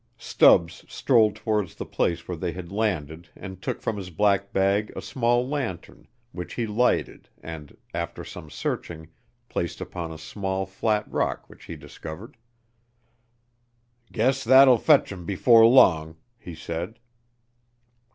Stubbs strolled towards the place where they had landed and took from his black bag a small lantern which he lighted and, after some searching, placed upon a small, flat rock which he discovered. "Guess that will fetch 'em 'fore long," he said.